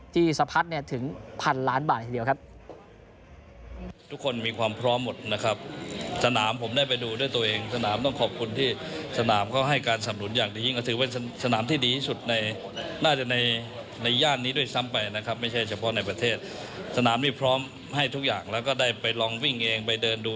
สะพัดถึงพันล้านบาททีเดียวครับ